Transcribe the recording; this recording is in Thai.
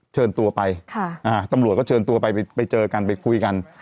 เชิญตัวไปตำรวจก็เชิญตัวไปไปเจอกันไปคุยกัน